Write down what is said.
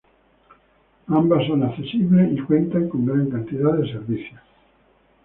Ambas son accesibles y cuentan con gran cantidad de servicios.